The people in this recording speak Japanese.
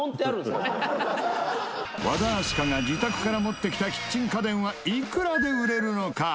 和田明日香が自宅から持ってきたキッチン家電はいくらで売れるのか？